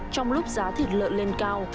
trong lúc giá thịt lợn lên cao